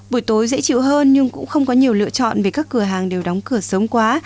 buổi tối dễ chịu hơn nhưng cũng không có nhiều lựa chọn vì các cửa hàng đều đóng cửa sớm quá